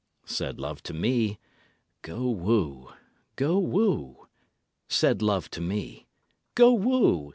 Said Love to me: "Go woo, go woo." Said Love to me: "Go woo.